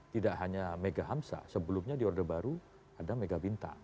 tidak hanya mega hamsa sebelumnya di orde baru ada mega bintang